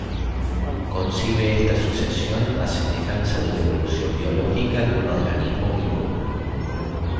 Concibe esta sucesión a semejanza de la evolución biológica de un organismo vivo.